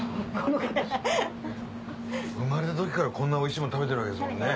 生まれた時からこんなおいしいもん食べてるわけですもんね。